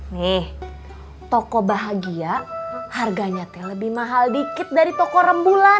nih toko bahagia harganya teh lebih mahal dikit dari toko rembulan